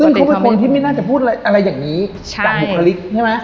ซึ่งเขาเป็นคนที่ไม่น่าจะพูดอะไรอย่างนี้จากบุคลิกใช่ไหม